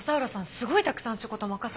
すごいたくさん仕事を任されてて。